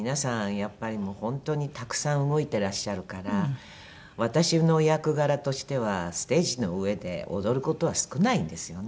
やっぱりもう本当にたくさん動いてらっしゃるから私の役柄としてはステージの上で踊る事は少ないんですよね。